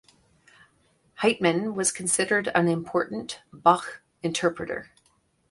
Heitmann was considered an important Bach interpreter.